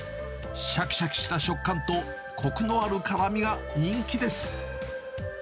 しゃきしゃきした食感とこくのある辛みが人気です。